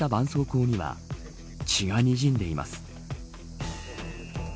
こうには血がにじんでいます。